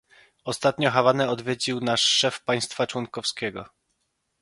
Ostatnio Hawanę odwiedził nawet szef państwa członkowskiego